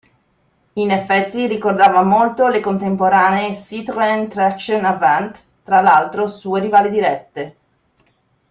In effetti, ricordava molto le contemporanee Citroën Traction Avant, tra l'altro sue rivali dirette.